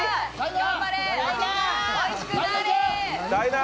頑張れー！